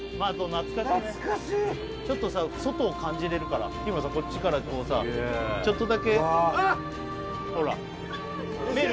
懐かしいね懐かしいちょっとさ外を感じられるから日村さんこっちからこうさちょっとだけあっほら見える？